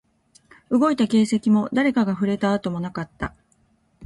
動いた形跡も、誰かが触れた跡もなかった